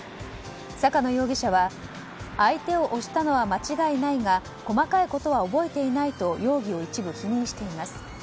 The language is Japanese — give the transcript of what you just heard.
坂野容疑者は相手を押したのは間違いないが細かいことは覚えてないと容疑を一部否認しています。